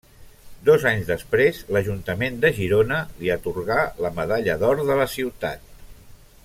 Dos anys després, l’Ajuntament de Girona li atorgà la Medalla d’Or de la Ciutat.